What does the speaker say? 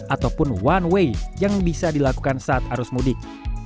ataupun one way yang bisa dilakukan saat arus mudik